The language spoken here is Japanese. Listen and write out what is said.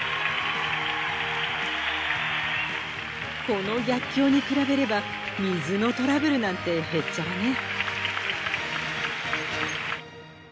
この逆境に比べれば水のトラブルなんてへっちゃらね。